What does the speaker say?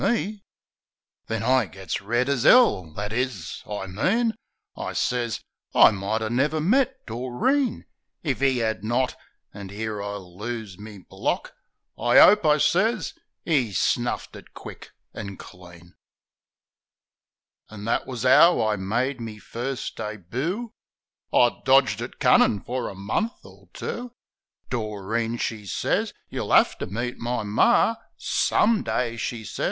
64 THE SENTIMENTAL BLOKE Then I gits red as 'ell, "That is — I mean," I sez, "I mighter never met Doreen If 'e 'ad not" — an' 'ere I lose me block — "I 'ope," I sez, " 'E snuffed it quick and clean." An' that wus 'ow I made me first deboo. I'd dodged it cunnin' fer a month or two. Doreen she sez, "You'll 'ave to meet my Mar, Some day," she sez.